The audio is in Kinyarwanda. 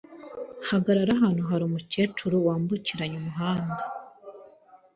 Hagarara! Hano hari umukecuru wambukiranya umuhanda!